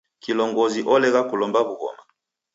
Kilongozi olegha kulomba w'ughoma.